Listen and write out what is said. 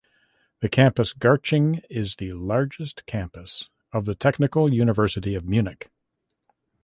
The Campus Garching is the largest campus of the Technical University of Munich.